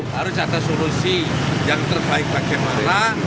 harus ada solusi yang terbaik bagaimana